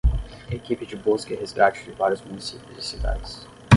Equipe de busca e resgate de vários municípios e cidades